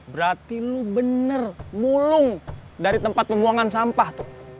berarti lu benar mulung dari tempat pembuangan sampah tuh